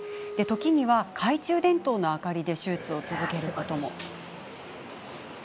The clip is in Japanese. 時には懐中電灯の明かりで手術を続けることも。